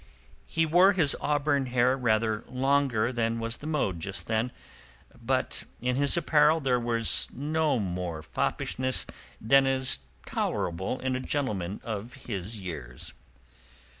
He wore his auburn hair rather longer than was the mode just then, but in his apparel there was no more foppishness than is tolerable in a gentleman of his years.